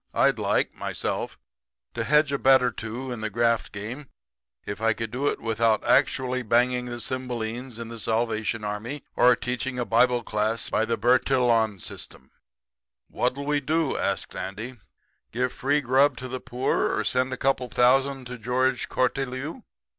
I'd like, myself, to hedge a bet or two in the graft game if I could do it without actually banging the cymbalines in the Salvation Army or teaching a bible class by the Bertillon system. "'What'll we do?' says Andy. 'Give free grub to the poor or send a couple of thousand to George Cortelyou?'